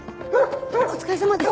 お疲れさまです。